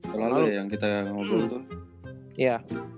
tahun lalu ya yang kita ngobrol tuh